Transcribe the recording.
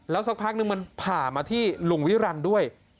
สักพักนึงมันผ่ามาที่ลุงวิรันดิ์ด้วย